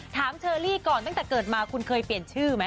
เชอรี่ก่อนตั้งแต่เกิดมาคุณเคยเปลี่ยนชื่อไหม